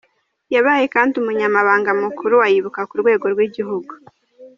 Yabaye kandi Umunyamabanga Mukuru wa Ibuka ku rwego rw’igihugu .